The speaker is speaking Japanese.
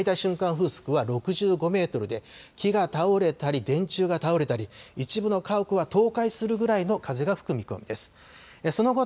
風速は６５メートルで木が倒れたり電柱が倒れたり一部の家屋は倒壊するぐらいの風が吹く見込みです。